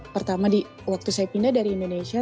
pertama waktu saya pindah dari indonesia